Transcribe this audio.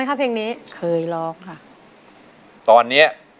กลับไปเลย